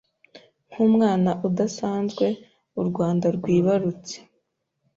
nk’umwana udasanzwe u Rwanda rwibarutse